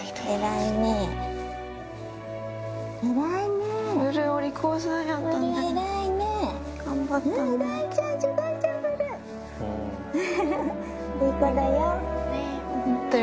いい子だよ。